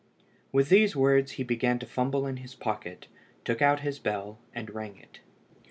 With these words he began to fumble in his pocket, took out his bell, and rang it.